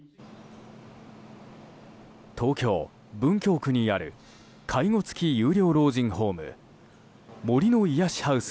東京・文京区にある介護付き有料老人ホーム杜の癒しハウス